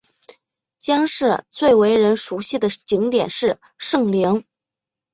姜市最为人熟悉的景点是圣陵。